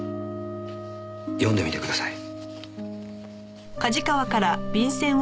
読んでみてください。